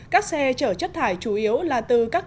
các xe chở chất thải chủ yếu là từ các